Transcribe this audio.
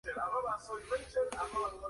Tras ser torturado de varias maneras, murió.